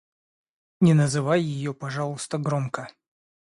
Не называй ее, пожалуйста, громко...